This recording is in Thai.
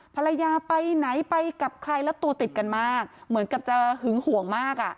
ภรรยาไปไหนไปกับใครแล้วตัวติดกันมากเหมือนกับจะหึงห่วงมากอ่ะ